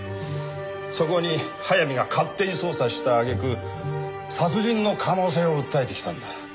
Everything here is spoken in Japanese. そこに早見が勝手に捜査した揚げ句殺人の可能性を訴えてきたんだ。